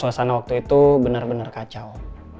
suasana waktu itu benar benar kacau